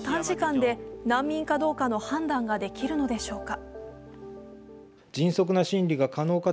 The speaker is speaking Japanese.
そんな短時間で、難民かどうかの判断ができるのでしょうか。